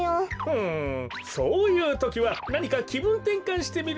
ふむそういうときはなにかきぶんてんかんしてみるのもいいダロ。